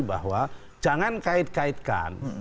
bahwa jangan kait kaitkan